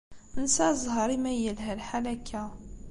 Nesɛa zzheṛ imi ay yelha lḥal akka.